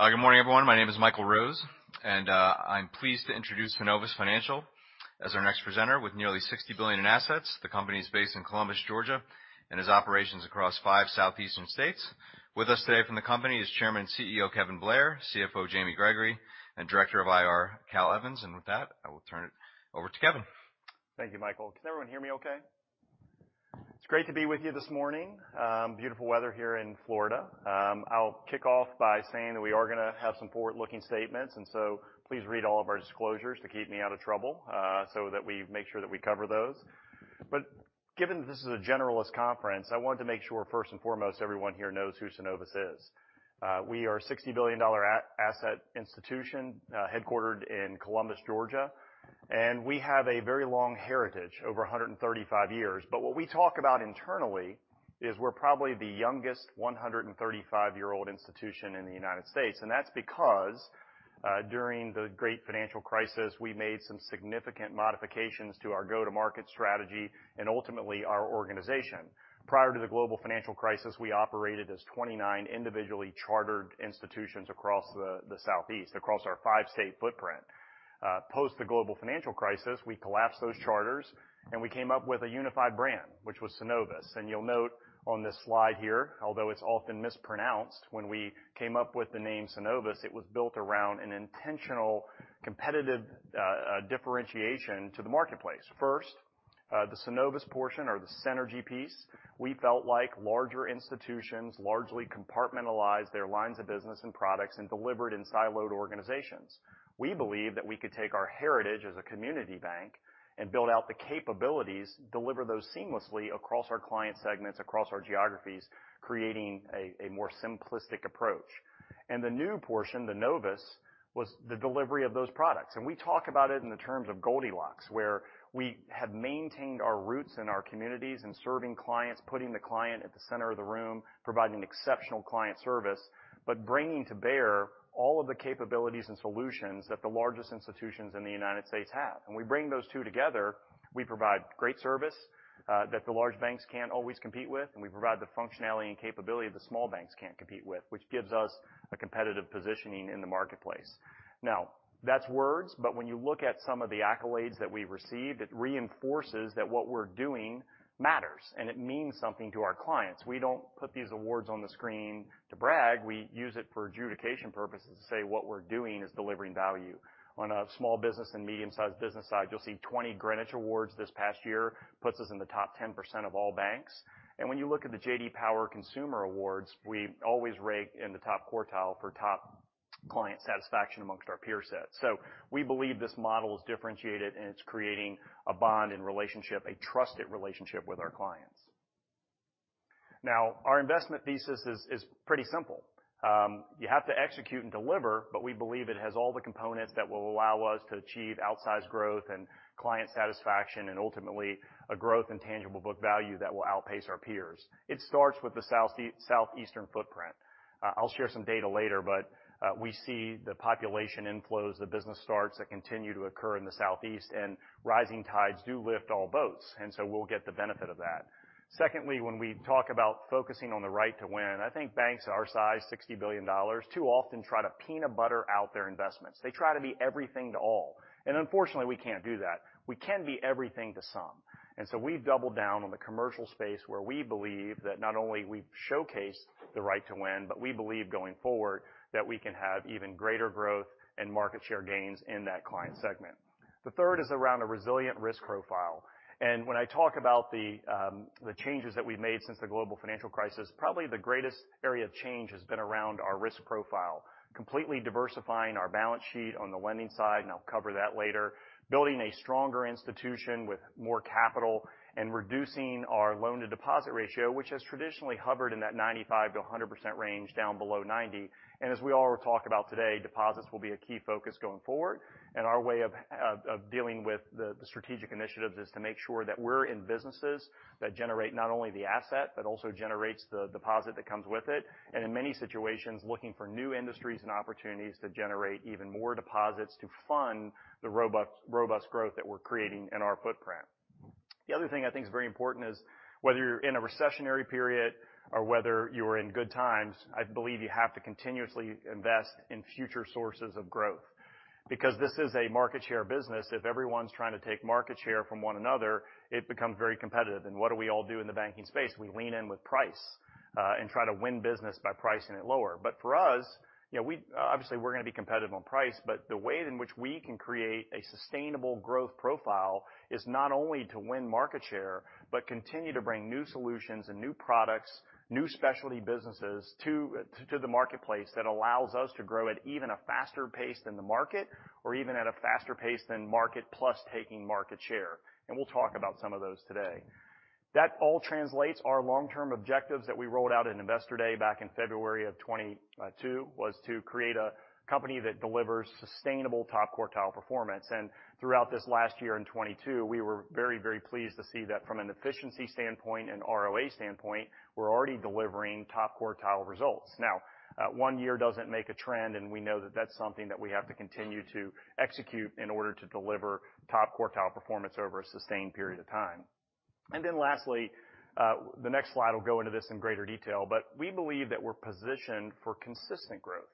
Good morning, everyone. My name is Michael Rose, I'm pleased to introduce Synovus Financial as our next presenter. With nearly $60 billion in assets, the company is based in Columbus, Georgia, and has operations across five southeastern states. With us today from the company is Chairman and CEO Kevin Blair, CFO Jamie Gregory, and Director of IR Cal Evans. With that, I will turn it over to Kevin. Thank you, Michael. Can everyone hear me okay? It's great to be with you this morning. Beautiful weather here in Florida. I'll kick off by saying that we are gonna have some forward-looking statements. Please read all of our disclosures to keep me out of trouble, so that we make sure that we cover those. Given that this is a generalist conference, I want to make sure first and foremost, everyone here knows who Synovus is. We are a $60 billion asset institution, headquartered in Columbus, Georgia, and we have a very long heritage, over 135 years. What we talk about internally is we're probably the youngest 135-year-old institution in the United States. That's because, during the Great Financial Crisis, we made some significant modifications to our go-to-market strategy and ultimately our organization. Prior to the Global Financial Crisis, we operated as 29 individually chartered institutions across the Southeast, across our five-state footprint. Post the Global Financial Crisis, we collapsed those charters, and we came up with a unified brand, which was Synovus. You'll note on this slide here, although it's often mispronounced, when we came up with the name Synovus, it was built around an intentional competitive differentiation to the marketplace. First, the Synovus portion or the synergy piece, we felt like larger institutions largely compartmentalized their lines of business and products and delivered in siloed organizations. We believe that we could take our heritage as a community bank and build out the capabilities, deliver those seamlessly across our client segments, across our geographies, creating a more simplistic approach. The new portion, the Novus, was the delivery of those products. We talk about it in the terms of Goldilocks, where we have maintained our roots in our communities and serving clients, putting the client at the center of the room, providing exceptional client service, but bringing to bear all of the capabilities and solutions that the largest institutions in the United States have. When we bring those two together, we provide great service that the large banks can't always compete with, and we provide the functionality and capability that small banks can't compete with, which gives us a competitive positioning in the marketplace. That's words, but when you look at some of the accolades that we received, it reinforces that what we're doing matters and it means something to our clients. We don't put these awards on the screen to brag. We use it for adjudication purposes to say what we're doing is delivering value. On a small business and medium-sized business side, you'll see 20 Greenwich Excellence Awards this past year puts us in the top 10% of all banks. When you look at the J.D. Power Consumer Awards, we always rank in the top quartile for top client satisfaction amongst our peer set. We believe this model is differentiated, and it's creating a bond and relationship, a trusted relationship with our clients. Our investment thesis is pretty simple. You have to execute and deliver, we believe it has all the components that will allow us to achieve outsized growth and client satisfaction and ultimately a growth in tangible book value that will outpace our peers. It starts with the Southeastern footprint. I'll share some data later, but we see the population inflows, the business starts that continue to occur in the Southeast, and rising tides do lift all boats, and so we'll get the benefit of that. Secondly, when we talk about focusing on the right to win, I think banks our size, $60 billion, too often try to peanut butter out their investments. They try to be everything to all. Unfortunately, we can't do that. We can be everything to some. We've doubled down on the commercial space where we believe that not only we showcase the right to win, but we believe going forward that we can have even greater growth and market share gains in that client segment. The third is around a resilient risk profile. When I talk about the changes that we've made since the Global Financial Crisis, probably the greatest area of change has been around our risk profile, completely diversifying our balance sheet on the lending side, and I'll cover that later. Building a stronger institution with more capital and reducing our loan-to-deposit ratio, which has traditionally hovered in that 95%-100% range down below 90%. As we all talk about today, deposits will be a key focus going forward. Our way of dealing with the strategic initiatives is to make sure that we're in businesses that generate not only the asset but also generates the deposit that comes with it. In many situations, looking for new industries and opportunities to generate even more deposits to fund the robust growth that we're creating in our footprint. The other thing I think is very important is whether you're in a recessionary period or whether you are in good times, I believe you have to continuously invest in future sources of growth. Because this is a market share business, if everyone's trying to take market share from one another, it becomes very competitive. What do we all do in the banking space? We lean in with price and try to win business by pricing it lower. For us, you know, obviously, we're gonna be competitive on price, but the way in which we can create a sustainable growth profile is not only to win market share but continue to bring new solutions and new products, new specialty businesses to the marketplace that allows us to grow at even a faster pace than the market or even at a faster pace than market plus taking market share. We'll talk about some of those today. That all translates our long-term objectives that we rolled out in Investor Day back in February of 2022, was to create a company that delivers sustainable top-quartile performance. Throughout this last year in 2022, we were very pleased to see that from an efficiency standpoint and ROA standpoint, we're already delivering top-quartile results. One year doesn't make a trend, and we know that that's something that we have to continue to execute in order to deliver top-quartile performance over a sustained period of time. Lastly, the next slide will go into this in greater detail. We believe that we're positioned for consistent growth.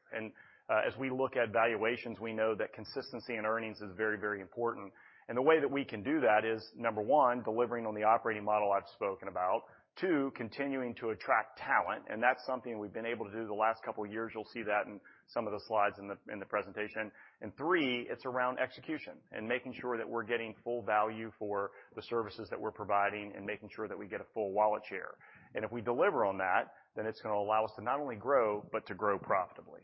As we look at valuations, we know that consistency in earnings is very, very important. The way that we can do that is, number one, delivering on the operating model I've spoken about. Two, continuing to attract talent, and that's something we've been able to do the last couple of years. You'll see that in some of the slides in the presentation. Three, it's around execution and making sure that we're getting full value for the services that we're providing and making sure that we get a full wallet share. If we deliver on that, then it's gonna allow us to not only grow but to grow profitably.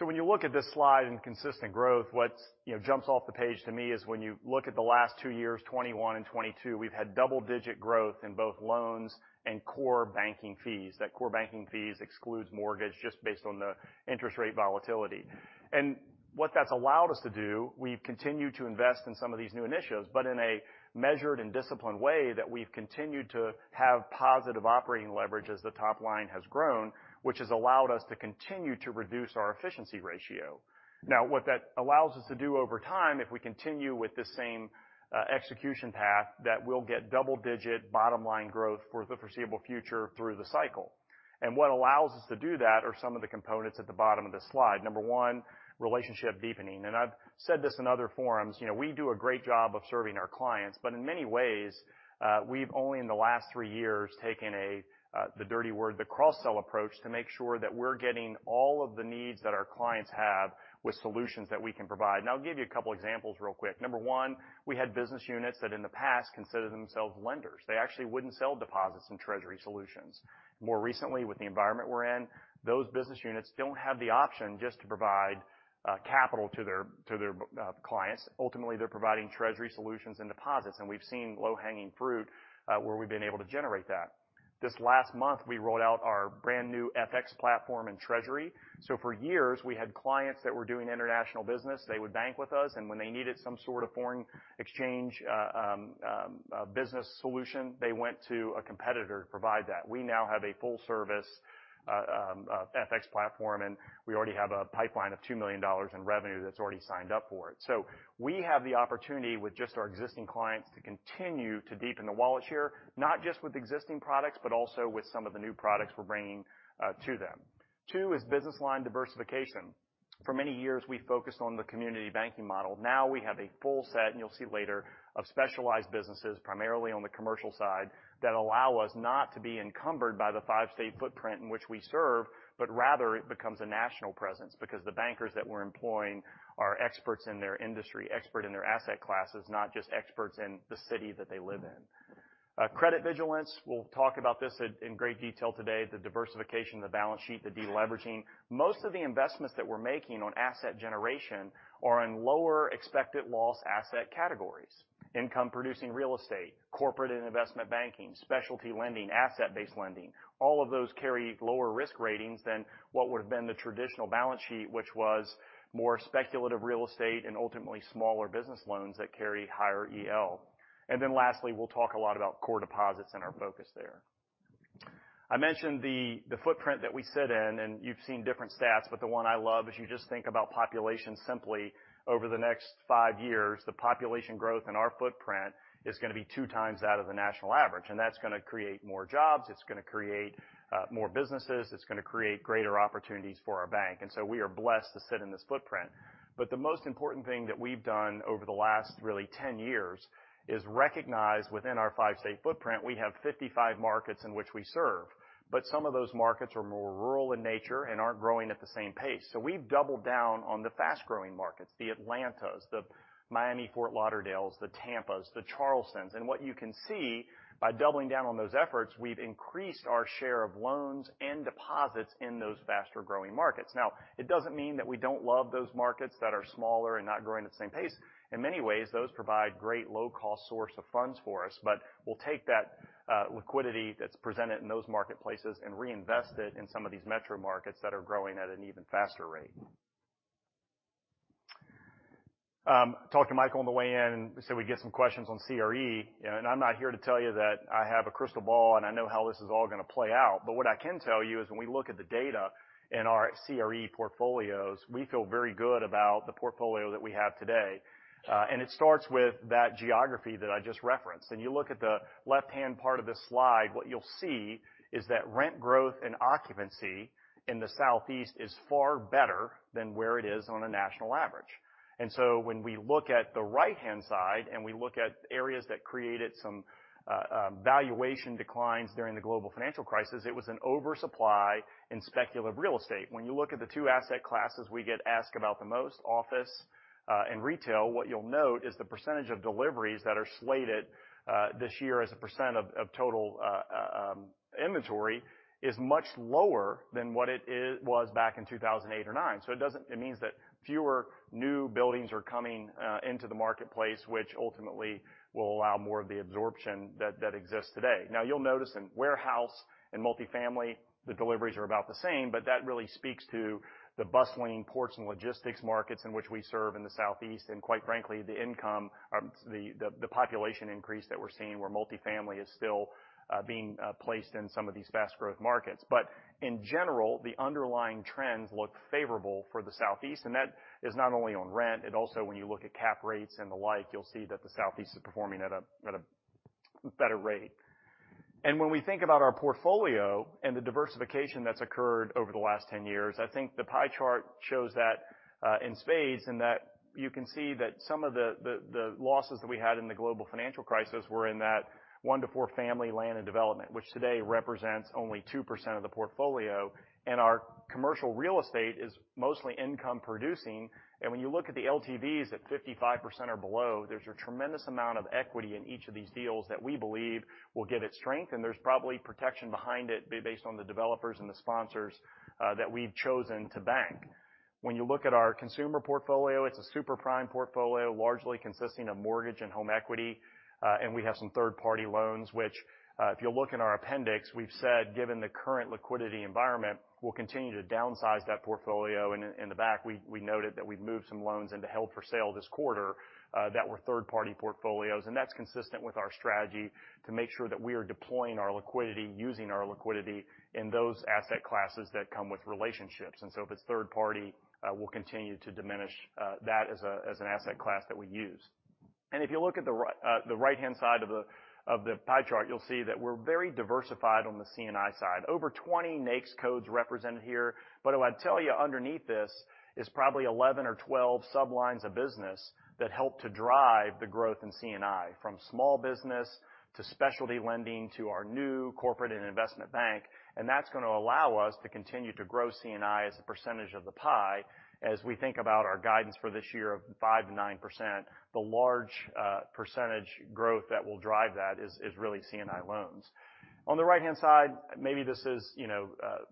When you look at this slide in consistent growth, what's, you know, jumps off the page to me is when you look at the last two years, 2021 and 2022, we've had double-digit growth in both loans and core banking fees. That core banking fees excludes mortgage just based on the interest rate volatility. What that's allowed us to do, we've continued to invest in some of these new initiatives, but in a measured and disciplined way that we've continued to have positive operating leverage as the top line has grown, which has allowed us to continue to reduce our efficiency ratio. What that allows us to do over time, if we continue with this same execution path, that we'll get double-digit bottom-line growth for the foreseeable future through the cycle. What allows us to do that are some of the components at the bottom of this slide. Number one, relationship deepening. I've said this in other forums. You know, we do a great job of serving our clients, but in many ways, we've only in the last three years taken a, the dirty word, the cross-sell approach, to make sure that we're getting all of the needs that our clients have with solutions that we can provide. I'll give you a couple examples real quick. Number one, we had business units that in the past considered themselves lenders. They actually wouldn't sell deposits and treasury solutions. More recently, with the environment we're in, those business units don't have the option just to provide capital to their clients. Ultimately, they're providing treasury solutions and deposits, and we've seen low-hanging fruit, where we've been able to generate that. This last month, we rolled out our brand-new FX platform in treasury. For years, we had clients that were doing international business. They would bank with us. When they needed some sort of foreign exchange business solution, they went to a competitor to provide that. We now have a full-service FX platform. We already have a pipeline of $2 million in revenue that's already signed up for it. We have the opportunity with just our existing clients to continue to deepen the wallet share, not just with existing products but also with some of the new products we're bringing to them. Two is business line diversification. For many years, we focused on the community banking model. We have a full set, and you'll see later, of specialized businesses, primarily on the commercial side, that allow us not to be encumbered by the five-state footprint in which we serve, but rather it becomes a national presence because the bankers that we're employing are experts in their industry, expert in their asset classes, not just experts in the city that they live in. Credit vigilance, we'll talk about this in great detail today, the diversification of the balance sheet, the deleveraging. Most of the investments that we're making on asset generation are in lower expected loss asset categories. Income-producing real estate, corporate and investment banking, specialty lending, Asset-Based Lending. All of those carry lower risk ratings than what would have been the traditional balance sheet, which was more speculative real estate and ultimately smaller business loans that carry higher EL. Lastly, we'll talk a lot about core deposits and our focus there. I mentioned the footprint that we sit in, and you've seen different stats, but the one I love is you just think about population simply over the next five years. The population growth in our footprint is gonna be 2x that of the national average, and that's gonna create more jobs, it's gonna create more businesses, it's gonna create greater opportunities for our bank. We are blessed to sit in this footprint. The most important thing that we've done over the last really 10 years is recognize within our five-state footprint, we have 55 markets in which we serve. Some of those markets are more rural in nature and aren't growing at the same pace. We've doubled down on the fast-growing markets, the Atlanta, Miami/Fort Lauderdale, Tampa, Charleston. What you can see by doubling down on those efforts, we've increased our share of loans and deposits in those faster-growing markets. Now, it doesn't mean that we don't love those markets that are smaller and not growing at the same pace. In many ways, those provide great low-cost source of funds for us. We'll take that liquidity that's presented in those marketplaces and reinvest it in some of these metro markets that are growing at an even faster rate. Talked to Michael on the way in, and he said we'd get some questions on CRE. I'm not here to tell you that I have a crystal ball, and I know how this is all gonna play out. What I can tell you is when we look at the data in our CRE portfolios, we feel very good about the portfolio that we have today. It starts with that geography that I just referenced. When you look at the left-hand part of this slide, what you'll see is that rent growth and occupancy in the Southeast is far better than where it is on a national average. When we look at the right-hand side, and we look at areas that created some valuation declines during the Global Financial Crisis, it was an oversupply in speculative real estate. When you look at the two asset classes we get asked about the most, office and retail, what you'll note is the % of deliveries that are slated this year as a % of total inventory is much lower than what it was back in 2008-2009. It means that fewer new buildings are coming into the marketplace, which ultimately will allow more of the absorption that exists today. You'll notice in warehouse and multifamily, the deliveries are about the same, but that really speaks to the bustling ports and logistics markets in which we serve in the Southeast and, quite frankly, the income or the population increase that we're seeing where multifamily is still being placed in some of these fast-growth markets. In general, the underlying trends look favorable for the Southeast, and that is not only on rent. It also, when you look at cap rates and the like, you'll see that the Southeast is performing at a better rate. When we think about our portfolio and the diversification that's occurred over the last 10 years, I think the pie chart shows that in spades, in that you can see that some of the losses that we had in the Global Financial Crisis were in that 1-to-4 family land and development, which today represents only 2% of the portfolio. Our commercial real estate is mostly income-producing. When you look at the LTVs at 55% or below, there's a tremendous amount of equity in each of these deals that we believe will give it strength. There's probably protection behind it based on the developers and the sponsors that we've chosen to bank. When you look at our consumer portfolio, it's a super prime portfolio, largely consisting of mortgage and home equity, and we have some third-party loans, which, if you look in our appendix, we've said, given the current liquidity environment, we'll continue to downsize that portfolio. In the back, we noted that we've moved some loans into held for sale this quarter that were third-party portfolios. That's consistent with our strategy to make sure that we are deploying our liquidity, using our liquidity in those asset classes that come with relationships. If it's third party, we'll continue to diminish that as an asset class that we use. If you look at the right-hand side of the pie chart, you'll see that we're very diversified on the C&I side. Over 20 NAICS codes represented here. What I'd tell you underneath this is probably 11 or 12 sublines of business that help to drive the growth in C&I, from small business to specialty lending to our new corporate and investment bank. That's gonna allow us to continue to grow C&I as a percentage of the pie. As we think about our guidance for this year of 5%-9%, the large percentage growth that will drive that is really C&I loans. On the right-hand side, maybe this is, you know,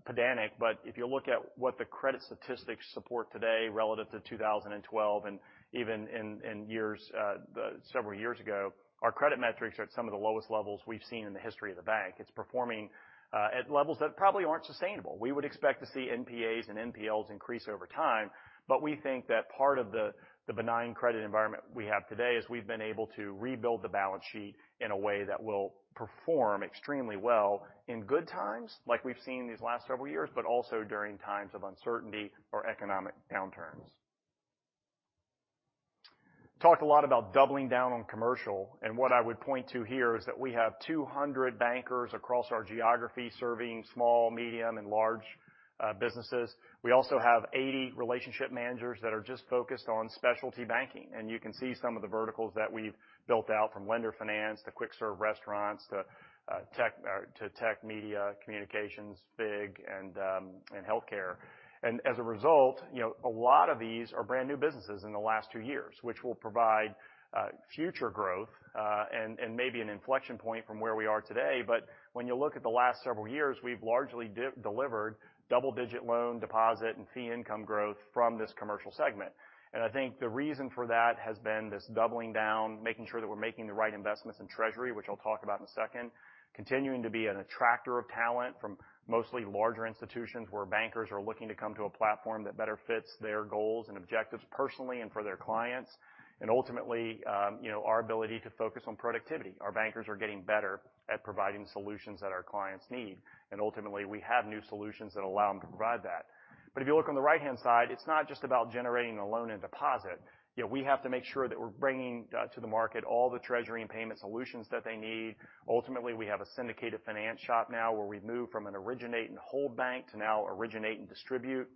pedantic, but if you look at what the credit statistics support today relative to 2012 and even in years, several years ago, our credit metrics are at some of the lowest levels we've seen in the history of the bank. It's performing at levels that probably aren't sustainable. We would expect to see NPAs and NPLs increase over time, but we think that part of the benign credit environment we have today is we've been able to rebuild the balance sheet in a way that will perform extremely well in good times, like we've seen these last several years, but also during times of uncertainty or economic downturns. Talked a lot about doubling down on commercial. What I would point to here is that we have 200 bankers across our geography serving small, medium, and large businesses. We also have 80 relationship managers that are just focused on specialty banking. You can see some of the verticals that we've built out from Lender Finance to Quick Service Restaurants to Tech Media, Communications, FIG, and Healthcare. As a result, you know, a lot of these are brand-new businesses in the last two years, which will provide future growth and maybe an inflection point from where we are today. When you look at the last several years, we've largely de-delivered double-digit loan, deposit, and fee income growth from this commercial segment. I think the reason for that has been this doubling down, making sure that we're making the right investments in treasury, which I'll talk about in a second. Continuing to be an attractor of talent from mostly larger institutions where bankers are looking to come to a platform that better fits their goals and objectives personally and for their clients. Ultimately, you know, our ability to focus on productivity. Our bankers are getting better at providing solutions that our clients need. Ultimately, we have new solutions that allow them to provide that. If you look on the right-hand side, it's not just about generating a loan and deposit. You know, we have to make sure that we're bringing to the market all the treasury and payment solutions that they need. Ultimately, we have a syndicated finance shop now where we've moved from an originate and hold bank to now originate and distribute,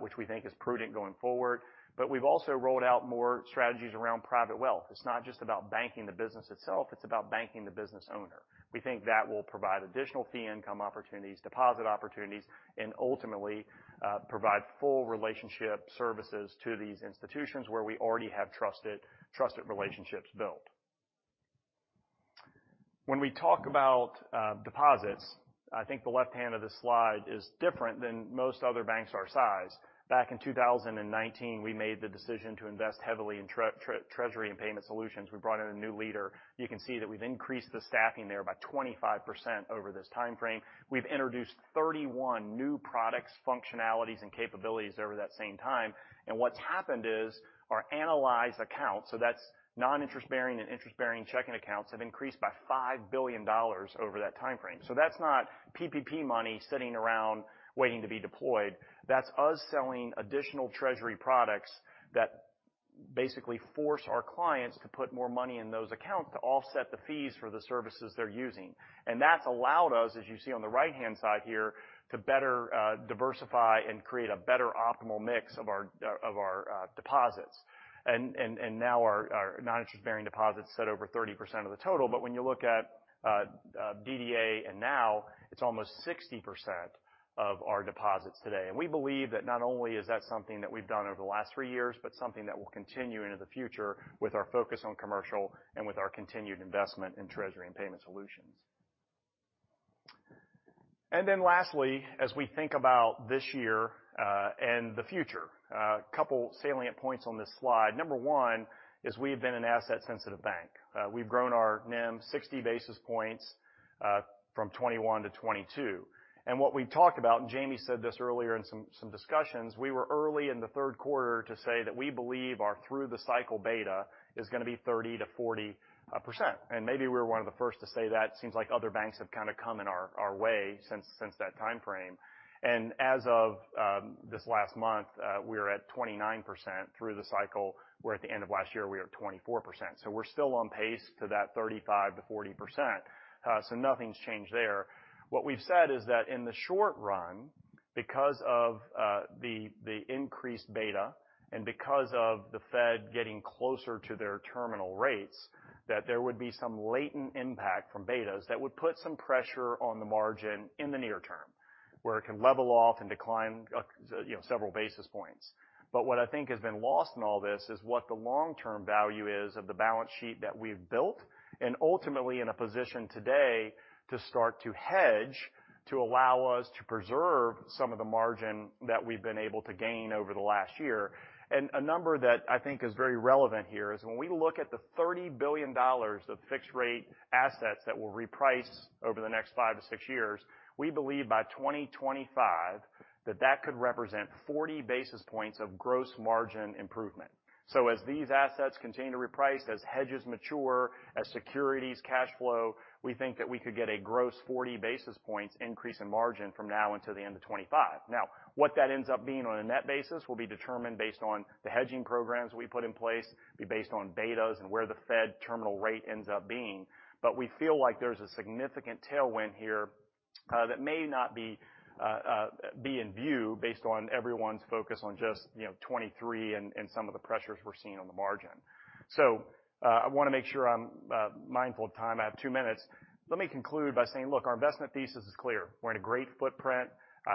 which we think is prudent going forward. We've also rolled out more strategies around private wealth. It's not just about banking the business itself, it's about banking the business owner. We think that will provide additional fee income opportunities, deposit opportunities, and ultimately, provide full relationship services to these institutions where we already have trusted relationships built. When we talk about deposits, I think the left hand of this slide is different than most other banks our size. Back in 2019, we made the decision to invest heavily in treasury and payment solutions. We brought in a new leader. You can see that we've increased the staffing there by 25% over this time frame. We've introduced 31 new products, functionalities, and capabilities over that same time. What's happened is, our analyzed accounts, so that's non-interest-bearing and interest-bearing checking accounts, have increased by $5 billion over that time frame. That's not PPP money sitting around waiting to be deployed. That's us selling additional treasury products that basically force our clients to put more money in those accounts to offset the fees for the services they're using. That's allowed us, as you see on the right-hand side here, to better diversify and create a better optimal mix of our deposits. Now our non-interest-bearing deposits sit over 30% of the total. When you look at DDA and NOW, it's almost 60% of our deposits today. We believe that not only is that something that we've done over the last three years, but something that will continue into the future with our focus on commercial and with our continued investment in treasury and payment solutions. Lastly, as we think about this year and the future, a couple salient points on this slide. Number one is we have been an asset-sensitive bank. We've grown our NIM 60 basis points from 2021 to 2022. What we talked about, and Jamie said this earlier in some discussions, we were early in the third quarter to say that we believe our through-the-cycle beta is gonna be 30%-40%. Maybe we're one of the first to say that. Seems like other banks have kind of come in our way since that time frame. As of this last month, we're at 29% through the cycle, where at the end of last year, we were at 24%. We're still on pace to that 35%-40%. Nothing's changed there. What we've said is that in the short run, because of the increased beta and because of the Fed getting closer to their terminal rates, that there would be some latent impact from betas that would put some pressure on the margin in the near term. Where it can level off and decline, you know, several basis points. What I think has been lost in all this is what the long-term value is of the balance sheet that we've built, ultimately in a position today to start to hedge to allow us to preserve some of the margin that we've been able to gain over the last year. A number that I think is very relevant here is when we look at the $30 billion of fixed rate assets that will reprice over the next 5-6 years, we believe by 2025 that that could represent 40 basis points of gross margin improvement. As these assets continue to reprice, as hedges mature, as securities cash flow, we think that we could get a gross 40 basis points increase in margin from now until the end of 2025. What that ends up being on a net basis will be determined based on the hedging programs we put in place, it'll be based on betas and where the Fed terminal rate ends up being. We feel like there's a significant tailwind here that may not be in view based on everyone's focus on just, you know, 23 and some of the pressures we're seeing on the margin. I wanna make sure I'm mindful of time. I have 2 minutes. Let me conclude by saying, look, our investment thesis is clear. We're in a great footprint.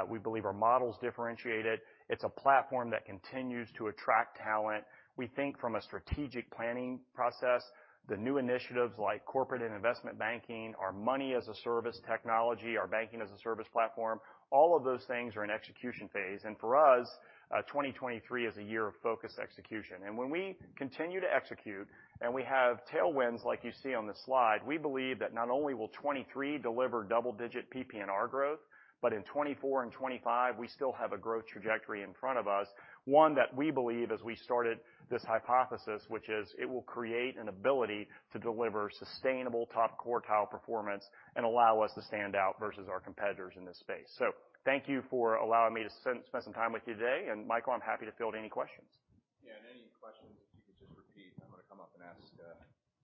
We believe our model's differentiated. It's a platform that continues to attract talent. We think from a strategic planning process, the new initiatives like corporate and investment banking, our Money as a Service technology, our Banking-as-a-Service platform, all of those things are in execution phase. For us, 2023 is a year of focused execution. When we continue to execute and we have tailwinds like you see on the slide, we believe that not only will 2023 deliver double-digit PPNR growth, but in 2024 and 2025, we still have a growth trajectory in front of us. One that we believe as we started this hypothesis, which is it will create an ability to deliver sustainable top quartile performance and allow us to stand out versus our competitors in this space. Thank you for allowing me to spend some time with you today. Michael, I'm happy to field any questions. Yeah. Any questions, if you could just repeat, I'm gonna come up and ask,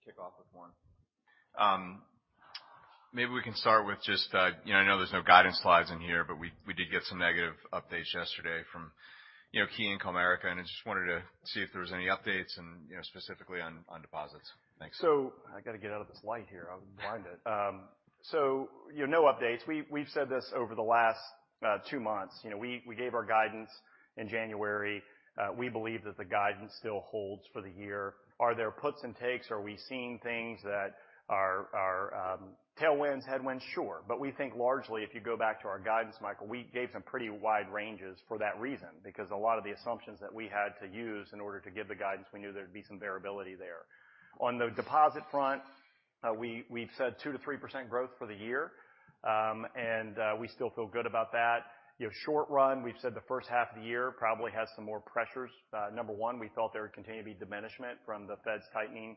kick off with one. Maybe we can start with just, you know, I know there's no guidance slides in here, but we did get some negative updates yesterday from, you know, KeyCorp and Comerica, I just wanted to see if there was any updates and, you know, specifically on deposits? Thanks. I gotta get out of this light here. I'm blinded. You know, no updates. We've said this over the last two months. You know, we gave our guidance in January. We believe that the guidance still holds for the year. Are there puts and takes? Are we seeing things that are tailwinds, headwinds? Sure. We think largely, if you go back to our guidance, Michael, we gave some pretty wide ranges for that reason because a lot of the assumptions that we had to use in order to give the guidance, we knew there'd be some variability there. On the deposit front, we've said 2%-3% growth for the year. We still feel good about that. You know, short run, we've said the first half of the year probably has some more pressures. Number one, we felt there would continue to be diminishment from the Fed's tightening.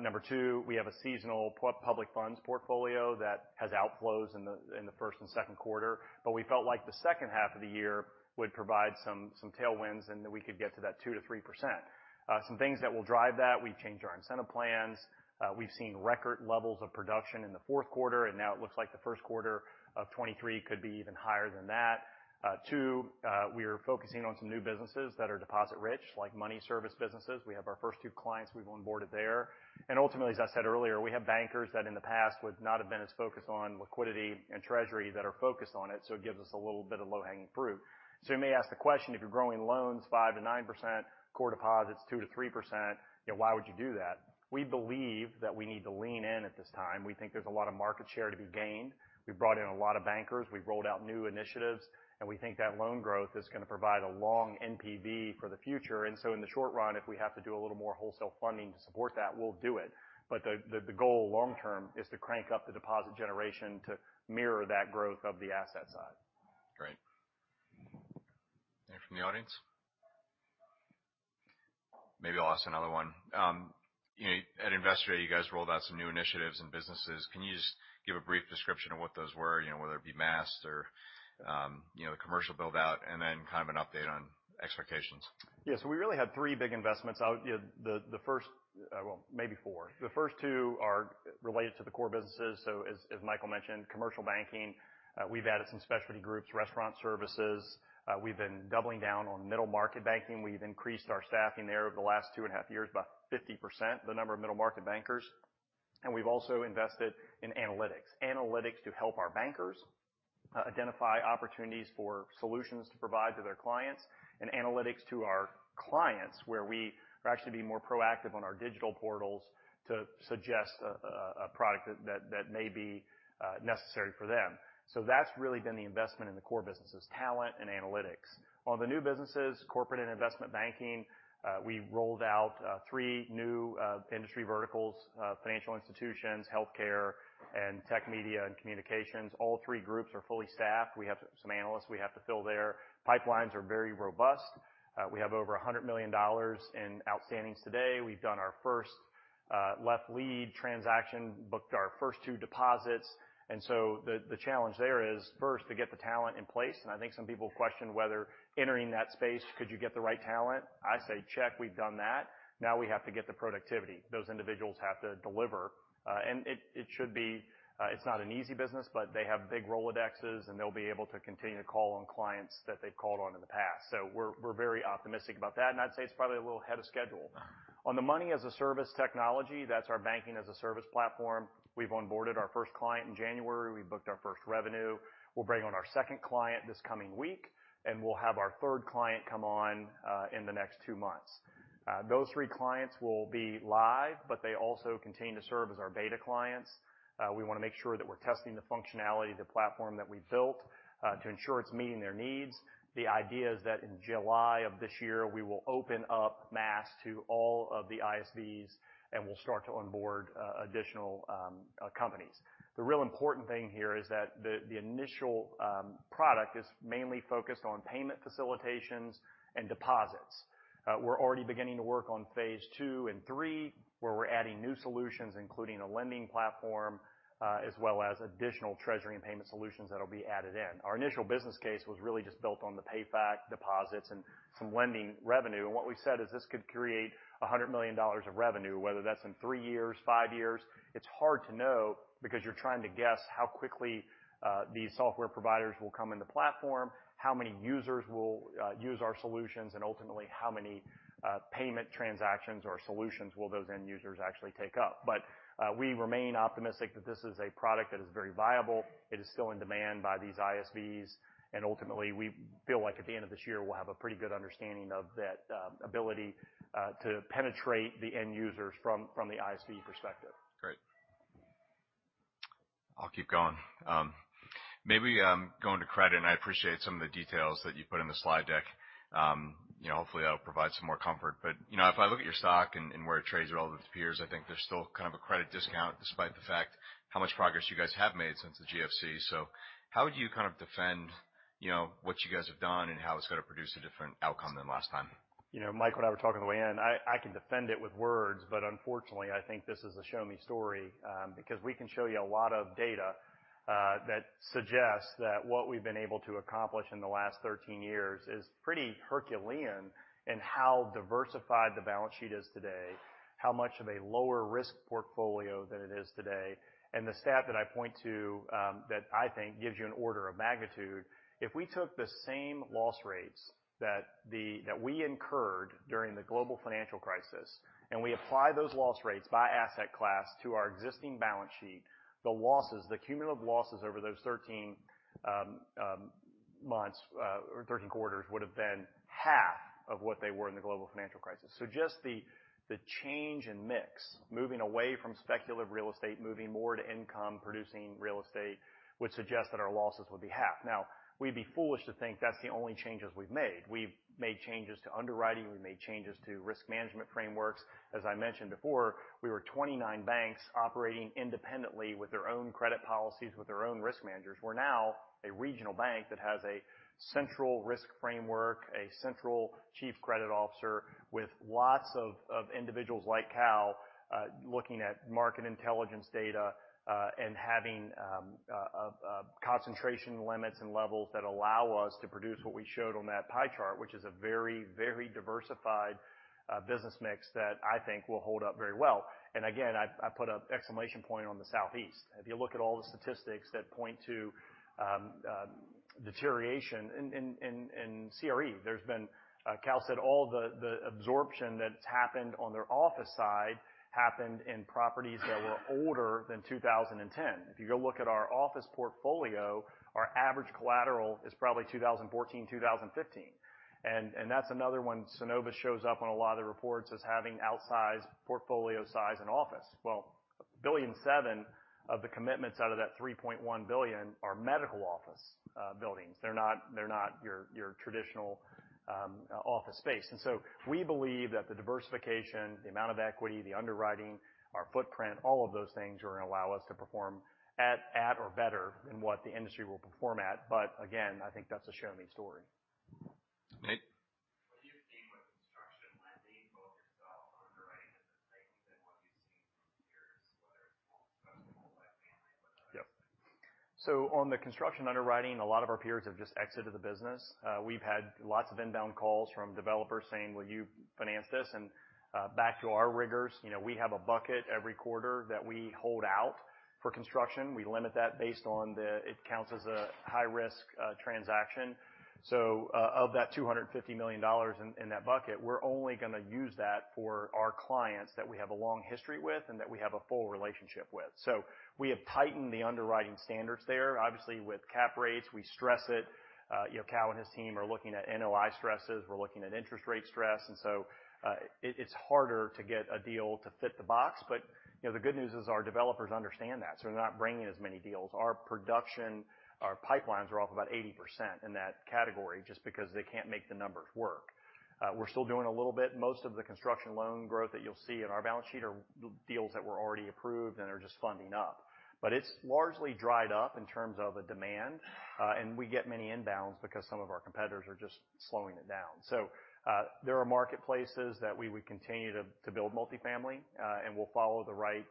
Number two, we have a seasonal public funds portfolio that has outflows in the, in the first and second quarter. We felt like the second half of the year would provide some tailwinds and that we could get to that 2%-3%. Some things that will drive that, we've changed our incentive plans. We've seen record levels of production in the fourth quarter. Now it looks like the first quarter of 2023 could be even higher than that. Two, we're focusing on some new businesses that are deposit rich, like Money Services Businesses. We have our first two clients we've onboarded there. Ultimately, as I said earlier, we have bankers that in the past would not have been as focused on liquidity and Treasury that are focused on it, so it gives us a little bit of low-hanging fruit. You may ask the question, if you're growing loans 5%-9%, core deposits 2%-3%, you know, why would you do that? We believe that we need to lean in at this time. We think there's a lot of market share to be gained. We've brought in a lot of bankers. We've rolled out new initiatives, and we think that loan growth is gonna provide a long NPV for the future. In the short run, if we have to do a little more wholesale funding to support that, we'll do it. The goal long term is to crank up the deposit generation to mirror that growth of the asset side. Great. Anything from the audience? Maybe I'll ask another one. You know, at Investor Day, you guys rolled out some new initiatives and businesses. Can you just give a brief description of what those were? You know, whether it be MAS or, you know, commercial build out, and then kind of an update on expectations. Yes. We really had three big investments. I'll give the first, well, maybe four. The first two are related to the core businesses. As Michael mentioned, commercial banking, we've added some specialty groups, restaurant services. We've been doubling down on middle market banking. We've increased our staffing there over the last two and a half years, about 50% the number of middle market bankers. We've also invested in analytics. Analytics to help our bankers identify opportunities for solutions to provide to their clients, and analytics to our clients, where we are actually being more proactive on our digital portals to suggest a product that may be necessary for them. That's really been the investment in the core businesses, talent and analytics. On the new businesses, corporate and investment banking, we rolled out three new industry verticals, Financial Institutions, Healthcare, and Technology, Media, and Telecommunications. All three groups are fully staffed. We have some analysts we have to fill there. Pipelines are very robust. We have over $100 million in outstandings today. We've done our first left lead transaction booked. Our first two deposits. The challenge there is first to get the talent in place. I think some people question whether entering that space, could you get the right talent? I say, check. We've done that. Now we have to get the productivity. Those individuals have to deliver. It should be, it's not an easy business, but they have big Rolodexes, and they'll be able to continue to call on clients that they've called on in the past. We're very optimistic about that, I'd say it's probably a little ahead of schedule. On the Money as a Service technology, that's our banking-as-a-service platform. We've onboarded our first client in January. We booked our first revenue. We'll bring on our second client this coming week, and we'll have our third client come on, in the next two months. Those three clients will be live, but they also continue to serve as our beta clients. We want to make sure that we're testing the functionality of the platform that we built, to ensure it's meeting their needs. The idea is that in July of this year, we will open up Maast to all of the ISVs, and we'll start to onboard additional companies. The real important thing here is that the initial product is mainly focused on payment facilitations and deposits. We're already beginning to work on phase II and III, where we're adding new solutions, including a lending platform, as well as additional treasury and payment solutions that will be added in. Our initial business case was really just built on the payback deposits and some lending revenue. What we said is this could create $100 million of revenue, whether that's in three years, five years. It's hard to know because you're trying to guess how quickly these software providers will come in the platform, how many users will use our solutions, and ultimately, how many payment transactions or solutions will those end users actually take up. We remain optimistic that this is a product that is very viable. It is still in demand by these ISVs. Ultimately, we feel like at the end of this year, we'll have a pretty good understanding of that ability to penetrate the end users from the ISV perspective. Great. I'll keep going. Maybe going to credit, I appreciate some of the details that you put in the slide deck. You know, hopefully, that'll provide some more comfort. You know, if I look at your stock and where it trades relative to peers, I think there's still kind of a credit discount despite the fact how much progress you guys have made since the GFC. How would you kind of defend, you know, what you guys have done and how it's going to produce a different outcome than last time? You know, Mike, when I were talking on the way in, I can defend it with words, but unfortunately, I think this is a show-me story, because we can show you a lot of data that suggests that what we've been able to accomplish in the last 13 years is pretty Herculean in how diversified the balance sheet is today, how much of a lower risk portfolio than it is today. The stat that I point to that I think gives you an order of magnitude, if we took the same loss rates that we incurred during the Global Financial Crisis, and we apply those loss rates by asset class to our existing balance sheet, the losses, the cumulative losses over those 13 months, or 13 quarters would have been half of what they were in the Global Financial Crisis. Just the change in mix, moving away from speculative real estate, moving more to income-producing real estate, would suggest that our losses would be half. We'd be foolish to think that's the only changes we've made. We've made changes to underwriting. We made changes to risk management frameworks. As I mentioned before, we were 29 banks operating independently with their own credit policies, with their own risk managers. We're now a regional bank that has a central risk framework, a central chief credit officer with lots of individuals like Cal looking at market intelligence data and having concentration limits and levels that allow us to produce what we showed on that pie chart, which is a very, very diversified business mix that I think will hold up very well. Again, I put an exclamation point on the Southeast. If you look at all the statistics that point to deterioration in CRE. There's been, Cal said all the absorption that's happened on their office side happened in properties that were older than 2010. If you go look at our office portfolio, our average collateral is probably 2014, 2015. That's another one Synovus shows up on a lot of the reports as having outsized portfolio size and office. Well, $1.7 billion of the commitments out of that $3.1 billion are medical office buildings. They're not your traditional office space. We believe that the diversification, the amount of equity, the underwriting, our footprint, all of those things are going to allow us to perform at or better than what the industry will perform at. Again, I think that's a show-me story. Michael. What do you think with construction lending, both yourself underwriting it differently than what you've seen from peers, whether it's multifamily or others? Yep. On the construction underwriting, a lot of our peers have just exited the business. We've had lots of inbound calls from developers saying, "Will you finance this?" Back to our rigors, you know, we have a bucket every quarter that we hold out for construction. We limit that based on it counts as a high risk transaction. Of that $250 million in that bucket, we're only going to use that for our clients that we have a long history with and that we have a full relationship with. We have tightened the underwriting standards there. Obviously, with cap rates, we stress it. You know, Cal and his team are looking at NOI stresses. We're looking at interest rate stress. It's harder to get a deal to fit the box. You know, the good news is our developers understand that, so they're not bringing as many deals. Our production, our pipelines are off about 80% in that category just because they can't make the numbers work. We're still doing a little bit. Most of the construction loan growth that you'll see in our balance sheet are deals that were already approved and are just funding up. It's largely dried up in terms of the demand. We get many inbounds because some of our competitors are just slowing it down. There are marketplaces that we would continue to build multifamily, and we'll follow the right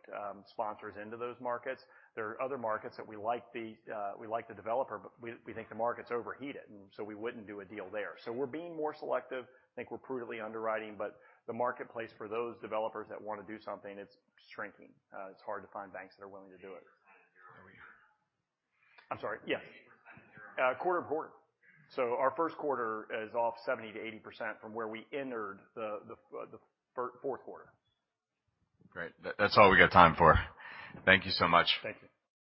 sponsors into those markets. There are other markets that we like the, we like the developer, but we think the market's overheated, so we wouldn't do a deal there. We're being more selective. I think we're prudently underwriting, but the marketplace for those developers that want to do something, it's shrinking. It's hard to find banks that are willing to do it. 80% of year over year? I'm sorry. Yes. 80% of year over year. Quarter-over-quarter. Our first quarter is off 70%-80% from where we entered the fourth quarter. Great. That's all we got time for. Thank you so much. Thank you.